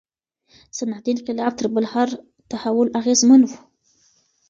صنعتي انقلاب تر بل هر تحول اغیزمن و.